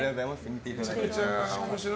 見ていただいて。